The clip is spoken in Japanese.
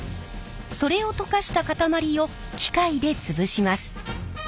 それを溶かした塊を機械で潰します。